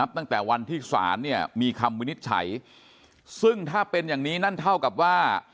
ตั้งแต่วันที่ศาลมีคำวินิจฉัยซึ่งถ้าเป็นอย่างนี้นั่นเท่ากับว่า